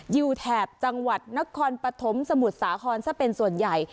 แถบจังหวัดนครปฐมสมุทรสาครซะเป็นส่วนใหญ่